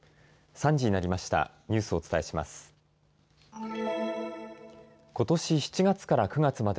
３時になりました。